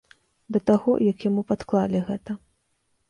Да таго, як яму падклалі гэта.